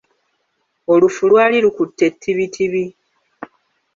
Olufu lwali lukutte tibitibi.